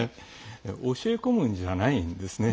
教え込むんじゃないんです。